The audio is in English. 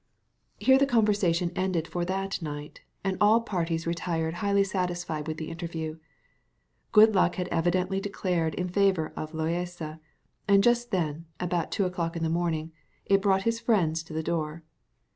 Here the conversation ended for that night, and all parties retired highly satisfied with the interview. Good luck had evidently declared in favour of Loaysa; and just then, about two o'clock in the morning, it brought his friends to the door.